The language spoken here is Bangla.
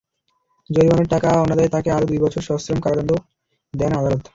জরিমানার টাকা অনাদায়ে তাঁকে আরও দুই বছর সশ্রম কারাদণ্ড দেন আদালত।